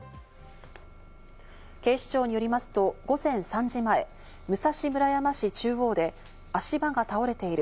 警視庁によりますと午前３時前、武蔵村山市中央で、足場が倒れている。